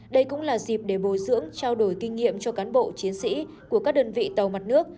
đây cũng là dịp để bồi dưỡng trao đổi kinh nghiệm cho cán bộ chiến sĩ của các đơn vị tàu mặt nước